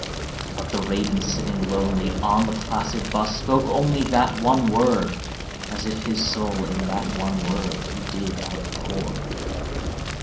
But the Raven, sitting lonely on the placid bust, spoke only That one word, as if his soul in that one word he did outpour.